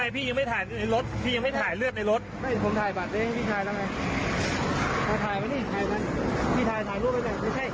ผมถ่ายเนี้ยเมือนยาปั้งพี่ไม่พี่ยังไม่ถ่ายในรถ